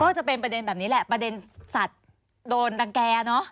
ก็จะเป็นประเด็นแบบนี้แหละประเด็นสัตว์โดนรังแก่เนอะ